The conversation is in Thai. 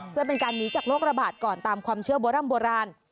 เพื่อเป็นการหนีจากโรคระบาดก่อนตามความเชื่อโบร่ำโบราณ